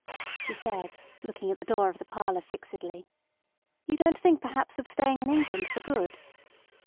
She said, looking at the door of the parlour fixedly: "You don't think perhaps of staying in England for good?"